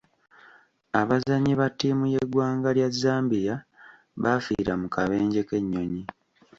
Abazannyi ba ttiimu y'eggwanga lya Zambia baafiira mu kabenje k'ennyonyi.